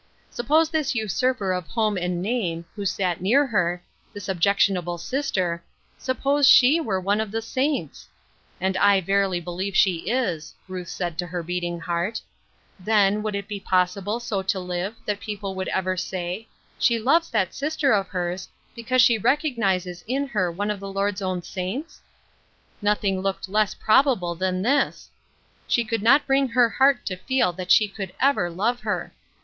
Suppose this usurper of home and name, who sat near her — this objectionable sister — suppose she were one of the saints !— and I verily believe she is, Ruth said to her beating heart — then, would it be possible so to live, that people would ever say, " She loves that sister of her's, because she recognizes in her one of the Lord's own saints ?" Nothing looked less probable than this ! She could not bring her heart to feel that she could ever love her.